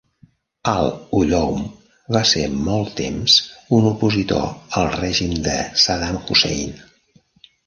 Al-Ulloum va ser molt temps un opositor al règim de Saddam Hussein.